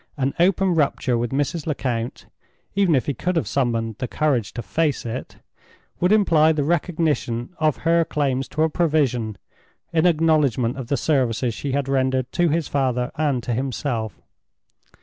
An open rupture with Mrs. Lecount—even if he could have summoned the courage to face it—would imply the recognition of her claims to a provision, in acknowledgment of the services she had rendered to his father and to himself.